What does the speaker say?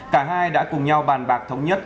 cả hai đã cùng nhau bàn bạc thống nhất